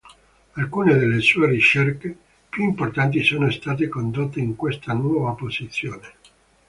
Alcune delle sue ricerche più importanti sono state condotte in questa nuova posizione.